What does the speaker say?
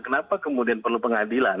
kenapa kemudian perlu pengadilan